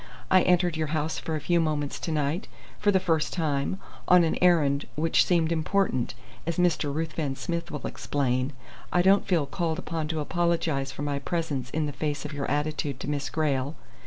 I entered your house for a few moments to night, for the first time, on an errand which seemed important, as Mr. Ruthven Smith will explain. I don't feel called upon to apologize for my presence in the face of your attitude to Miss Grayle.